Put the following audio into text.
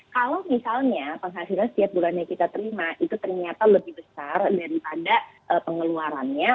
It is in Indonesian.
kalau misalnya penghasilan setiap bulannya kita terima itu ternyata lebih besar daripada pengeluarannya